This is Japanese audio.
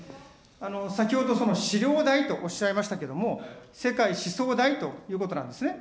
先ほど、資料代とおっしゃいましたけれども、世界思想代ということなんですね。